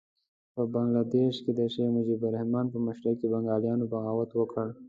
په بنګه دېش کې د شیخ مجیب الرحمن په مشرۍ بنګالیانو بغاوت وکړ.